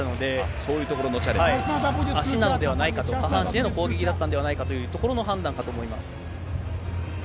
そういうところのチャレンジ足なのではないかと、下半身への攻撃だったのではないかというところの判断だったと思